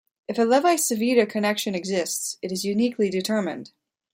If a Levi-Civita connection exists, it is uniquely determined.